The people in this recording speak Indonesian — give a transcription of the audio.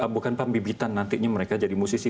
bukan pembibitan nantinya mereka jadi musisi